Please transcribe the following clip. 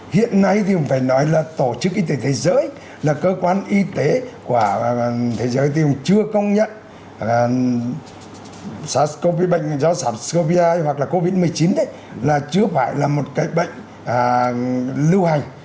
hiện nay thì phải nói là tổ chức y tế thế giới là cơ quan y tế của thế giới thì chưa công nhận sars cov bệnh do sars cov hai hoặc là covid một mươi chín đấy là chưa phải là một cái bệnh lưu hành